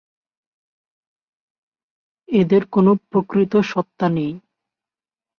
এদের কোন প্রকৃত সত্তা নেই।